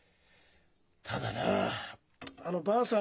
ただなあのばあさん